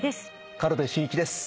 軽部真一です。